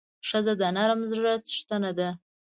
ښځه د نرم زړه څښتنه ده.